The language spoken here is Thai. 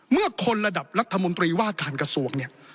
เมื่อคนระดับรัฐมนตรีว่าการกระทรวงเนี่ย